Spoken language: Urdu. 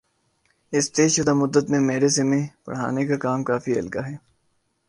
اِس طےشدہ مدت میں میرے ذمے پڑھانے کا کام کافی ہلکا ہے